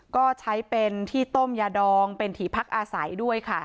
ก็ใช้เป็นที่ต้มยาดองเป็นที่พักอาศัยด้วยค่ะ